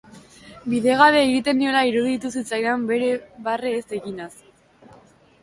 Bidegabe egiten niola iruditu zitzaidan barre ez eginaz.